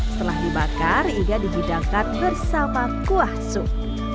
setelah dibakar iga dihidangkan bersama kuah sup